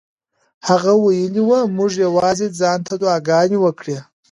هغه ویلي وو موږ یوازې ځان ته دعاګانې وکړو.